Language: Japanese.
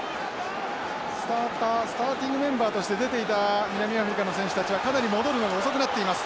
スタータースターティングメンバーとして出ていた南アフリカの選手たちはかなり戻るのが遅くなっています。